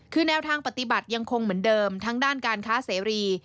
คือแนวทางปฏิบัติยังคงเหมือนเดิมทั้งด้านการค้าเสรี